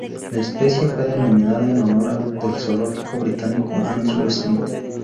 La especie fue denominada en honor del zoólogo británico Andrew Smith.